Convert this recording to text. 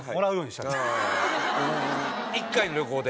１回の旅行で。